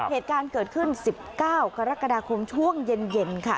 เหตุการณ์เกิดขึ้น๑๙กรกฎาคมช่วงเย็นค่ะ